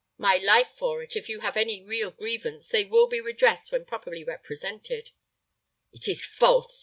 My life for it, if you have any real grievances, they will be redressed when properly represented." "It is false!"